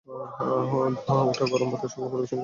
ধোয়া ওঠা গরম ভাতের সঙ্গে পরিবেশন করুন এই ভর্তা।